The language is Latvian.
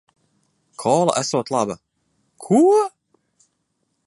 Kola esot laba. Ko???